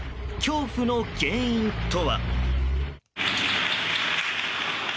恐怖の原因とは。